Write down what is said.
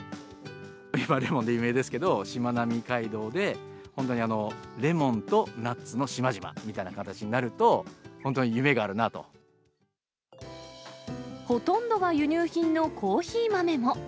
今レモンで有名ですけど、しまなみ海道で、本当に、レモンとナッツの島々みたいな形になるほとんどが輸入品のコーヒー豆も。